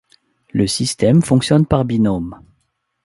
Le système fonctionne par binôme.